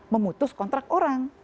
ya saja memutus kontrak orang